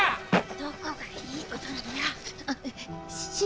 どこがいいことなのよぉ。